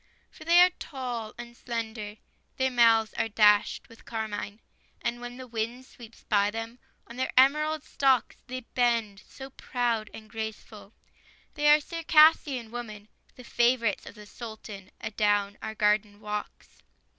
For they are tall and slender; Their mouths are dashed with carmine; And when the wind sweeps by them, On their emerald stalks They bend so proud and graceful They are Circassian women, The favorites of the Sultan, Adown our garden walks!